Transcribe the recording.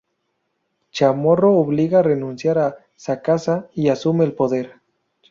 Chamorro obliga a renunciar a Sacasa y asume el poder.